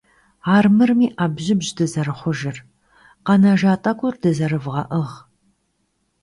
Армырми Ӏэбжьыбщ дызэрыхъужыр, къэнэжа тӀэкӀур дызэрывгъэӏыгъ!